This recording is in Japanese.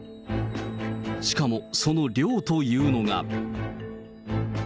しかもその量というのが。